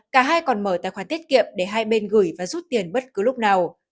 cả hai còn mở tài khoản tiết kiệm để hai bên gửi và rút tiền bất cứ lúc nào